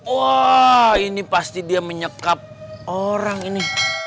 wah ini pasti dia menyekap orang ini